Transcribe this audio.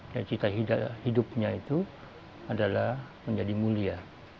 dan cita hidupnya itu adalah menjadi mulia